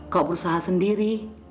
kau berusaha sendiri